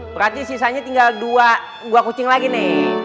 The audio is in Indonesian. berarti sisanya tinggal dua kucing lagi nih